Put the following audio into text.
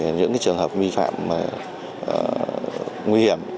những trường hợp vi phạm nguy hiểm